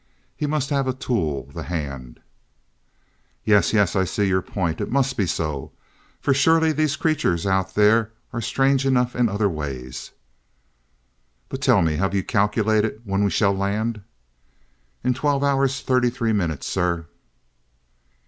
He must have a tool the hand " "Yes, yes I see your point. It must be so, for surely these creatures out there are strange enough in other ways." "But tell me, have you calculated when we shall land?" "In twelve hours, thirty three minutes, sir."